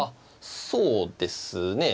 そうですね。